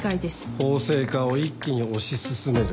「法制化を一気に推し進める」でしょ？